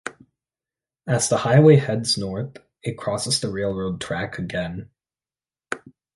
As the highway heads north it crosses the railroad track again.